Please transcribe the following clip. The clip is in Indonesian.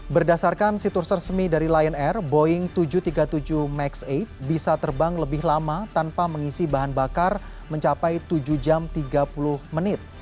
berdasarkan situs resmi dari lion air boeing tujuh ratus tiga puluh tujuh max delapan bisa terbang lebih lama tanpa mengisi bahan bakar mencapai tujuh jam tiga puluh menit